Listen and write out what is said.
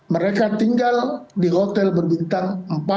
mereka tinggal di hotel berbintang empat